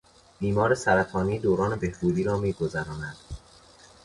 بیمار سرطانی دوران بهبودی را میگذراند.